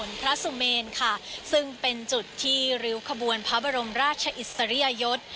พระสุเมนค่ะซึ่งเป็นจุดที่ริ้วขบวนพระบรมราชอิสริยยศ